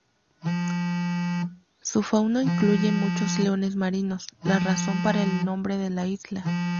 Su fauna incluye muchos leones marinos, la razón para el nombre de la isla.